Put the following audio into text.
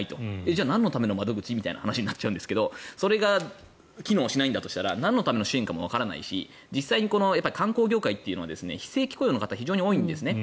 じゃあなんのための窓口？という話になっちゃうんですけどそれが機能しないんだとしたら何のための支援かもわからないし実際、観光業界というのは非正規雇用の方が非常に多いんですね。